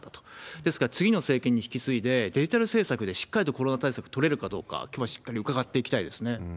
ですから次の政権に引き継いでデジタル政策でしっかりとコロナ対策取れるかどうか、きょう、しっかり伺っていきたいですね。